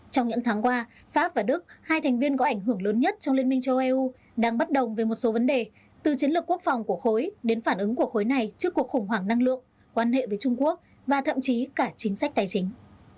trong những tháng qua pháp và đức hai thành viên có ảnh hưởng lớn nhất trong liên minh châu âu đang bất đồng về một số vấn đề từ chiến lược quốc phòng của khối đến phản ứng của khối này trước cuộc khủng hoảng năng lượng quan hệ với trung quốc và thậm chí cả chính sách tài chính